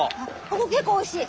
ここ結構おいしい！